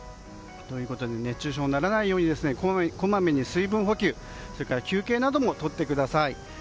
ということで熱中症にならないようにこまめに水分補給、それから休憩などもとってください。